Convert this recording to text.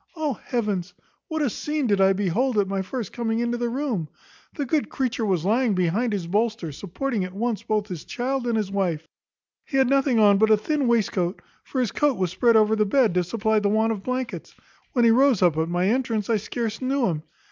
Oh heavens! what a scene did I behold at my first coming into the room! The good creature was lying behind the bolster, supporting at once both his child and his wife. He had nothing on but a thin waistcoat; for his coat was spread over the bed, to supply the want of blankets. When he rose up at my entrance, I scarce knew him.